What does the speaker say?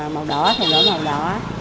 màu đỏ thì bỏ màu đỏ